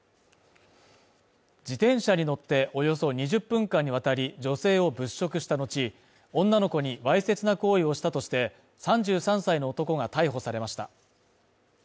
自転車に乗っておよそ２０分間にわたり女性を物色した後、女の子にわいせつな行為をしたとして、３３歳の男が逮捕されました。